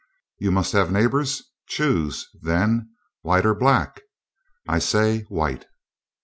You must have neighbors: choose, then, white or black. I say white."